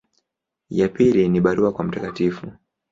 Ya pili ni barua kwa Mt.